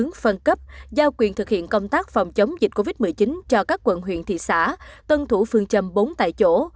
hướng phân cấp giao quyền thực hiện công tác phòng chống dịch covid một mươi chín cho các quận huyện thị xã tân thủ phương châm bốn tại chỗ